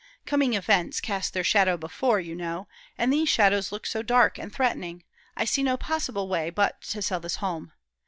"'Coming events cast their shadow before,' you know, and these shadows look so dark and threatening. I see no possible way but to sell this home.